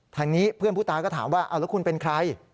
ทางนี้เพื่อนผู้ตายก็ถามว่าเอาแล้วคุณเป็นใคร